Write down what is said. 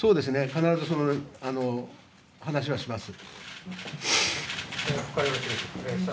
必ずその話はします。